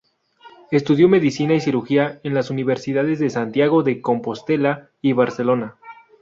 Estudió Medicina y Cirugía en las Universidades de Santiago de Compostela y Barcelona.